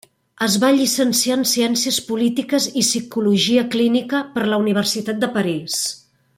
Es va llicenciar en Ciències Polítiques i Psicologia Clínica per la Universitat de París.